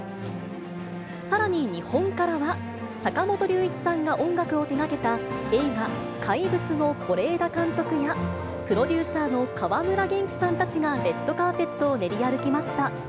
さらに日本からは、坂本龍一さんが音楽を手がけた映画、怪物の是枝監督や、プロデューサーの川村元気さんたちが、レッドカーペットを練り歩きました。